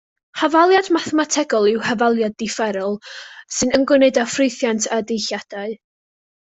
Hafaliad mathemategol yw hafaliad differol, sy'n ymwneud â ffwythiant a'i ddeilliadau.